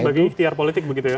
sebagai ikhtiar politik begitu ya